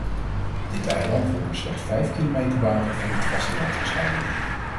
Dit eiland wordt door slechts vijf kilometer water van het vasteland gescheiden.